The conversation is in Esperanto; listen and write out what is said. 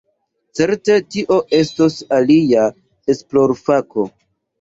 Certe tio estos alia esplorfako.